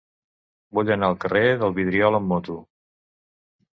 Vull anar al carrer del Vidriol amb moto.